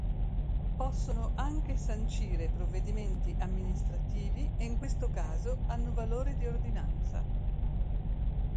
Possono anche sancire provvedimenti amministrativi e in questo caso hanno valore di ordinanza.